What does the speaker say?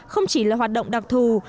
không chỉ là hoạt động đặc thù